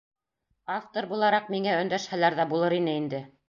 Автор булараҡ миңә өндәшһәләр ҙә булыр ине инде.